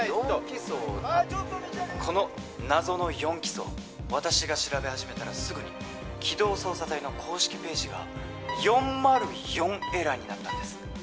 機捜だってこの謎の４機捜私が調べ始めたらすぐに機動捜査隊の公式ページが４０４エラーになったんです